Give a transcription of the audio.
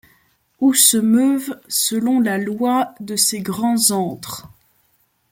Où se meuvent, selon la loi de ces grands antres